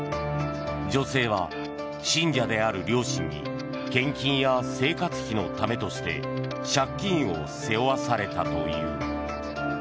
女性は信者である両親に献金や生活費のためとして借金を背負わされたという。